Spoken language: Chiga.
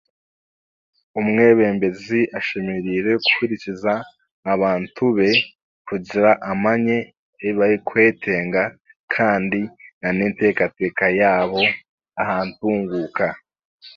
Omwebembezi ashemereire kuhurikiza abantu be kugira amanye ebi barikwetenga kandi nan'enteekateeka yaabo aha ntunguuka